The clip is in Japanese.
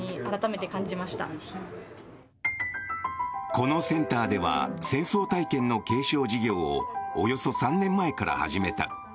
このセンターでは戦争体験の継承事業をおよそ３年前から始めた。